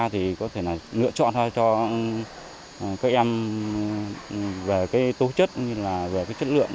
thì có thể lựa chọn cho các em về tố chất về chất lượng